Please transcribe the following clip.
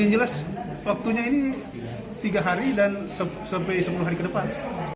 yang jelas waktunya ini tiga hari dan sampai sepuluh hari ke depan